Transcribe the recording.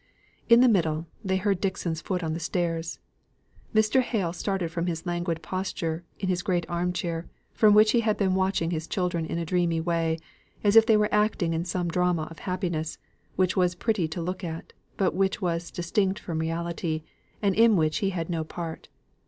In the middle, they heard Dixon's foot on the stairs. Mr. Hale started from his languid posture in his great arm chair, from which he had been watching his children in a dreamy way, as if they were acting some drama of happiness, which it was pretty to look at, but which was distinct from reality, and in which he had no part.